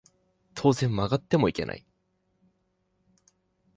当然曲がってもいけない